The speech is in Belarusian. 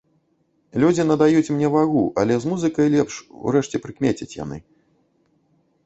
Людзі надаюць мне вагу, але з музыкай лепш, урэшце прыкмецяць яны.